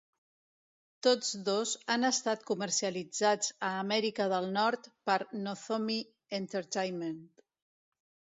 Tots dos han estat comercialitzats a Amèrica del Nord per Nozomi Entertainment.